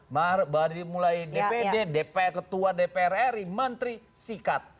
dari mulai dpd dprr dprri menteri sikat